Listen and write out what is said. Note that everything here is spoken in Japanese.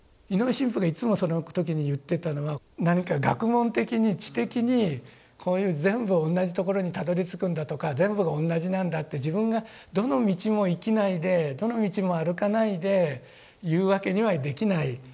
井上神父がいつもその時に言ってたのは何か学問的に知的にこういう全部同じところにたどりつくんだとか全部が同じなんだって自分がどの道も生きないでどの道も歩かないでいうわけにはできない。